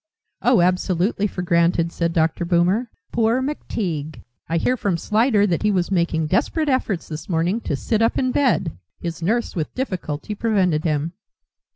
"Oh, absolutely for granted," said Dr. Boomer. "Poor McTeague! I hear from Slyder that he was making desperate efforts this morning to sit up in bed. His nurse with difficulty prevented him."